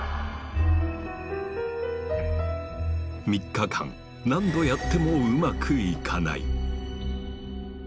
３日間何度やってもうまくいかない。